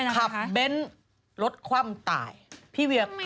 ขับเบ้นรถคว่ำตาย